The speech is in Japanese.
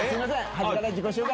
端から自己紹介